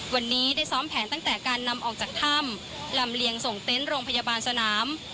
วันนี้ได้ซ้อมแผนตั้งแต่การนำออกจากถ้ำลำเลียงส่งเต็นต์โรงพยาบาลสนาม